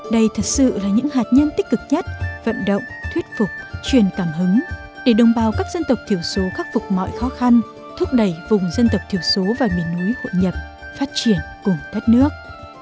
đây thật sự là những hạt nhân tích cực nhất vận động thuyết phục truyền cảm hứng để đồng bào các dân tộc thiểu số khắc phục mọi khó khăn thúc đẩy vùng dân tộc thiểu số và miền núi hội nhập phát triển cùng đất nước